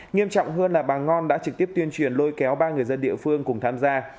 nghiêm trọng hơn là bà ngon đã trực tiếp tuyên truyền lôi kéo ba người dân địa phương cùng tham gia